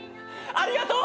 ありがとう。